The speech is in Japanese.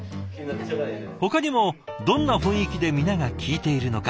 ほかにもどんな雰囲気で皆が聞いているのか